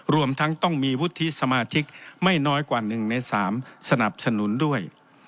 รวมทั้งต้องมีวุฒิสมาชิกไม่น้อยกว่า๑ใน๓สนับสนุนด้วย